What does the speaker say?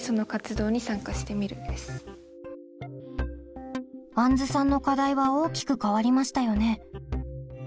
あんずさんの課題は大きく変わりましたよね？